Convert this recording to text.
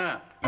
nah nah satu